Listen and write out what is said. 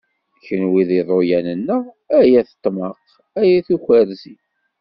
Kunwi d iḍulan-nneɣ, ay at tmaq, ay at ukerzi.